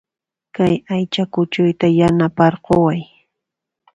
Kay aycha kuchuyta yanaparqukuway